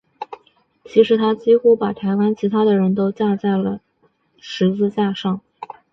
其实他几乎把台湾其他的人都钉上了十字架。